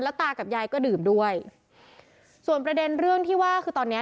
ตากับยายก็ดื่มด้วยส่วนประเด็นเรื่องที่ว่าคือตอนเนี้ย